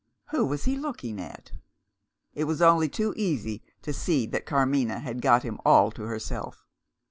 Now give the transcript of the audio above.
Who was he looking at? It was only too easy to see that Carmina had got him all to herself.